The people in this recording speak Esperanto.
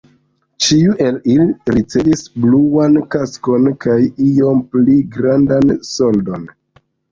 Ĉiu el ili ricevis bluan kaskon kaj iom pli grandan soldon.